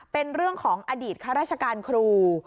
เป็นเรื่องของอดีตข้าราชการครู